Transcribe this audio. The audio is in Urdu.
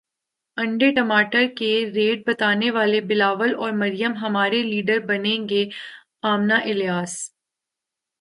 انڈے ٹماٹر کے ریٹ بتانے والے بلاول اور مریم ہمارے لیڈر بنیں گے امنہ الیاس